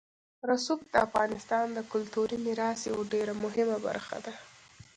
رسوب د افغانستان د کلتوري میراث یوه ډېره مهمه برخه ده.